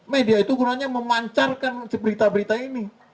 media itu gunanya memancarkan berita berita ini